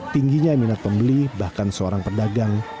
tingginya minat pembeli bahkan seorang pedagang